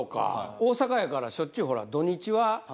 大阪やからしょっちゅうほら。